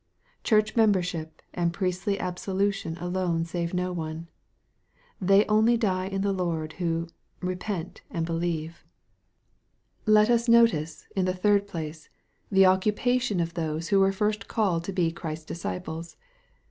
Church membership a/id priestly absolution alone save no one. They only die/ in the Lord who " repent and believe." MARK, CHAP. I. 9 Let us notice, in the third place, the occupation of those who were first called to be Christ's disciples.